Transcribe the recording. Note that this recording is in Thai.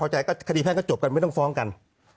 ถ้าพอใจขดีแท่งก็จบกันไม่ต้องฟ้องกัน